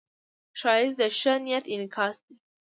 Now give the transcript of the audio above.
ښایست د ښه نیت انعکاس دی